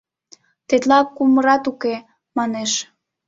Тетла кумырат уке, — манеш.